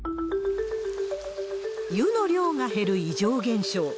湯の量が減る異常現象。